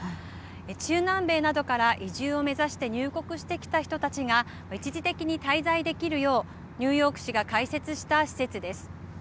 中南米などから移住を目指して入国してきた人たちが一時的に滞在できるようニューヨーク市が開設した施設です。